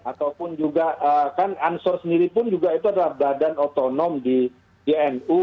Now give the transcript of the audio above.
ataupun juga kan ansor sendiri pun juga itu adalah badan otonom di jnu